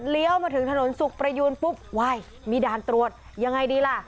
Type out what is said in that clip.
มาถึงถนนสุขประยูนปุ๊บว้ายมีด่านตรวจยังไงดีล่ะ